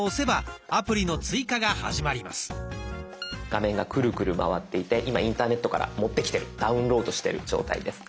画面がクルクル回っていて今インターネットから持ってきてるダウンロードしてる状態です。